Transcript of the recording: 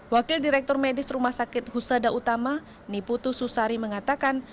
wakil direktur medis rumah sakit husada utama niputu susari mengatakan